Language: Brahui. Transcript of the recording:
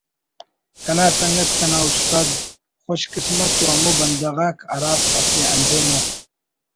کنا سنگت کنا استاد خوش قسمت ء ُ ہمو بندغ آک ہرافک اسہ ہندن ءُ